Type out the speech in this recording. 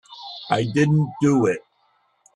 I didn't do it.